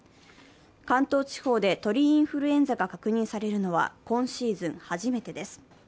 関東地方で鳥インフルエンザが確認されるのは今シーズン初めてです。